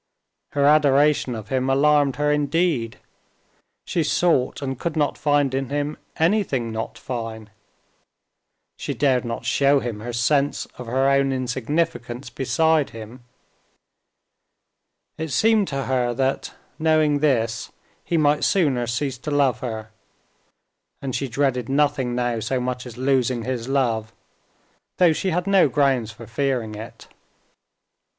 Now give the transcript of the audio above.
Her adoration of him alarmed her indeed; she sought and could not find in him anything not fine. She dared not show him her sense of her own insignificance beside him. It seemed to her that, knowing this, he might sooner cease to love her; and she dreaded nothing now so much as losing his love, though she had no grounds for fearing it.